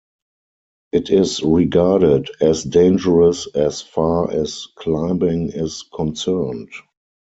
It is regarded as dangerous as far as climbing is concerned.